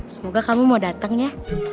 semoga kamu mau datang ya